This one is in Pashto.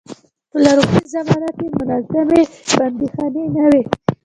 په لرغونې زمانه کې منظمې بندیخانې نه وې.